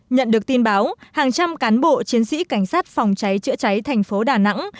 nhận được tin báo hàng trăm cán bộ chiến sĩ cảnh sát phòng cháy chữa cháy thành phố đà nẵng